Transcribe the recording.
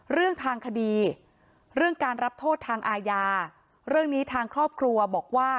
เรื่องทางคดีเรื่องการรับโทษทางอาญาเรื่องนี้ทางครอบครัวบอกว่า